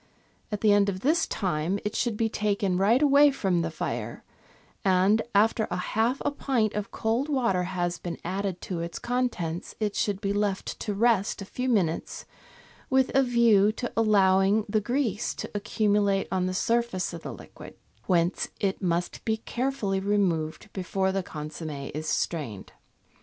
At the end of this time it should be taken right away from the fire, and, after half a pint of cold water has been added to its con tents, it should be left to rest a few minutes with a view to allowing the grease to accumulate on the surface of the liquid, whence it must be carefully removed before the consomm^ is strained.